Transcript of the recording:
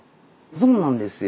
そうなんですよ。